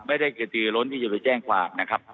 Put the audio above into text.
ไม่ได้กระตือล้นที่จะไปแจ้งความนะครับ